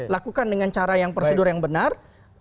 lakukan dengan cara yang prosedur yang benar